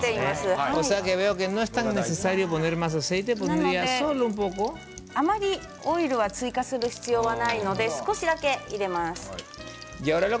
なので、あまりオイルは追加する必要はないので少しだけ入れます。